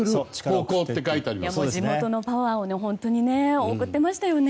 地元のパワーを送っていましたね。